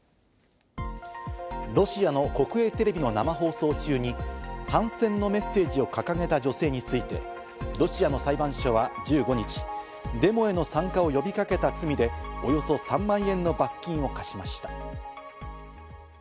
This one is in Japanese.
ロシアの国営テレビの生放送中に反戦のメッセージを掲げた女性についてロシアの裁判所は１５日、デモへの参加を呼びかけた罪でおよそ３万円の罰金を科しました。